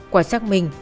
quả sắc mình